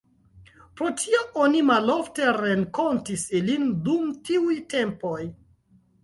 Pro tio oni malofte renkontis ilin dum tiuj tempoj.